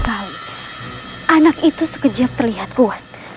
anak itu sekejap terlihat kuat